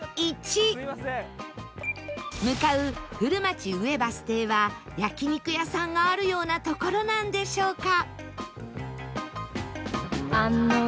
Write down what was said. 向かう古町上バス停は焼肉屋さんがあるような所なんでしょうか？